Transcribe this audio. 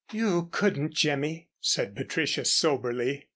"You couldn't, Jimmy," said Patricia, soberly.